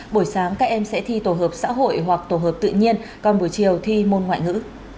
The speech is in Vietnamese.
buổi sáng các em sẽ thi tổ hợp xã hội hoặc tổ hợp tự nhiên còn buổi chiều thi môn ngoại ngữ